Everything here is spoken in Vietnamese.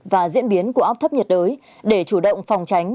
và diễn biến của áp thấp nhiệt đới để chủ động phòng tránh